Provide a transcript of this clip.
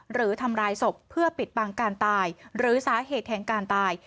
หรือทำร้ายศพเพื่อปิดบังการตายหรือสาเหตุแห่งการตาย